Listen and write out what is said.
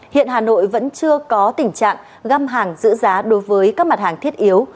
hiện hà nội vẫn chưa có tình trạng găm hàng giữ giá đối với các mặt hàng thiết yếu